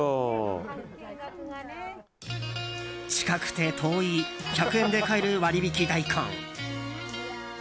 近くて遠い１００円で買える割引き大根。